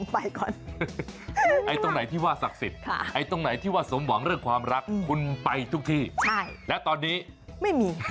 ไปสิครับไปเลย